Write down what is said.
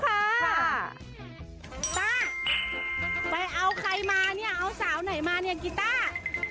ตาไปเอาใครมาเนี่ยเอาสาวไหนมาเนี่ยกีต้า